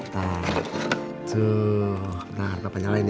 tuh nah bapak nyalain ya